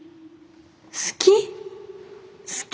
好き。